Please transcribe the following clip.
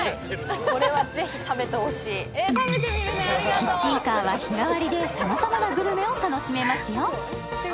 キッチンカーは日替わりでさまざまなグルメを楽しますよ。